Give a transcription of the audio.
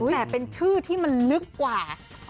แต่เป็นชื่อที่มันลึกกว่า